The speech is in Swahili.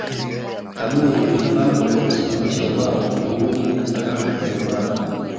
Kaburi lilipambwa kwa kusimamisha ubao mguuni na sanamu ya ubao